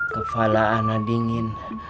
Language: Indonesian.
kepala anak dingin